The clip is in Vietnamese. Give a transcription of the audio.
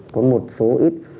có một số ít